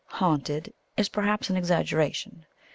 "Haunted" is, perhaps, an exaggeration.